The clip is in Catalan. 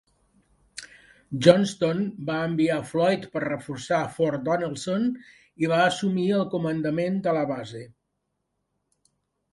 Johnston va enviar Floyd per reforçar Fort Donelson i va assumir el comandament de la base.